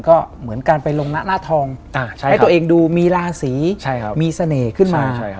ก็เหมือนการไปลงหน้าทองให้ตัวเองดูมีราศีมีเสน่ห์ขึ้นมา